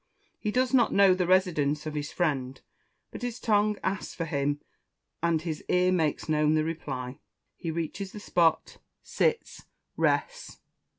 He does not know the residence of his friend, but his tongue asks for him, and his ear makes known the reply. He reaches the spot sits rests.